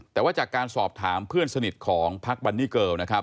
แต่ว่าจากการสอบถามเพื่อนสนิทของพักบันนี่เกิลนะครับ